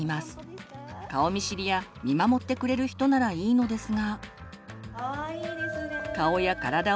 顔見知りや見守ってくれる人ならいいのですが。